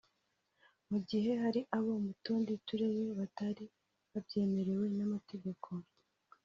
mu gihe hari abo mu tundi turere batari babyemerewe n’amategeko